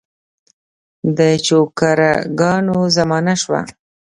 د چوکره ګانو زمانه شوه.